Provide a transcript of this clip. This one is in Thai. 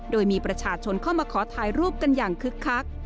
โดยมีประชาชนเข้ามาขอถ่ายรูปกันอย่างคึกคัก